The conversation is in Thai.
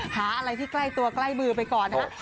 หาอะไรที่ใกล้ตัวใกล้มือไปก่อนนะฮะ